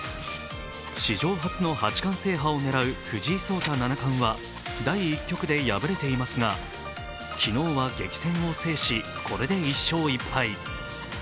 史上初の八冠制覇を狙う藤井聡太七冠は第１局で敗れていますが昨日は激戦を制し、これで１勝１敗。